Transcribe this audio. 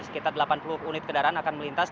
sekitar delapan puluh unit kendaraan akan melintas